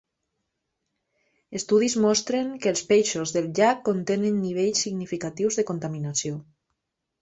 Estudis mostren que els peixos del llac contenen nivells significatius de contaminació.